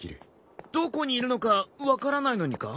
どこにいるのか分からないのにか？